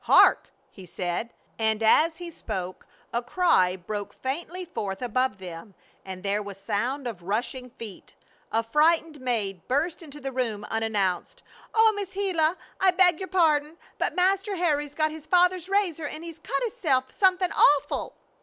"Hark!" he said, and as he spoke a cry broke faintly forth above them, and there was sound of rushing feet. A frightened maid burst into the room unannounced. "Oh, Miss Gila, I beg yer pardon, but Master Harry's got his father's razor, an' he's cut hisself something awful."